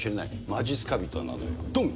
まじっすか人、どん。